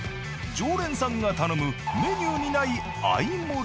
常連さんが頼むメニューにないあい盛り。